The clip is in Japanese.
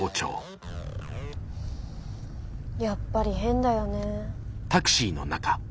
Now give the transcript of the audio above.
やっぱり変だよね。